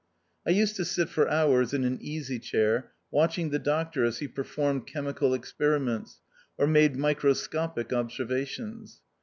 I used to sit for hours in an easy chaii watching the doctor as he performed chemi cal experiments, or made microscopic obser vations.